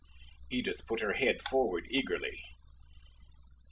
Edith put her head forward, eagerly.